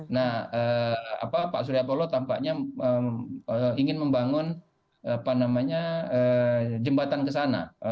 nah pak suryapalo tampaknya ingin membangun jembatan ke sana